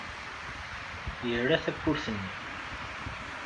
Yerra tawwurt-nni.